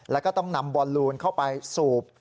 แล้วก็ต้องนำบอลลูนเข้าไปสูบ